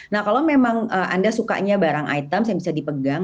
nah kalau memang anda sukanya barang items yang bisa dipegang